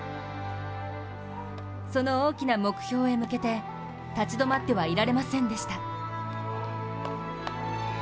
その大きな目標へ向けて、立ち止まってはいられませんでした。